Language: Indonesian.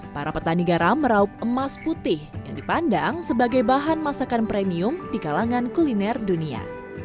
para petani garam meraup emas putih yang dipandang sebagai bahan masakan premium di kalangan kuliner dunia